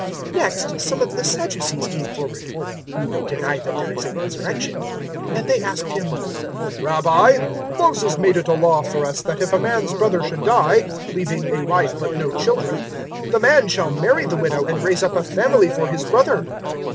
020:027 Next some of the Sadducees came forward (who deny that there is a Resurrection), and they asked Him, 020:028 "Rabbi, Moses made it a law for us that if a man's brother should die, leaving a wife but no children, the man shall marry the widow and raise up a family for his brother.